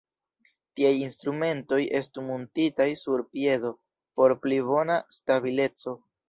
Tiaj instrumentoj estu muntitaj sur piedo por pli bona stabileco.